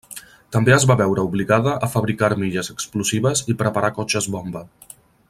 També es va veure obligada a fabricar armilles explosives i preparar cotxes bomba.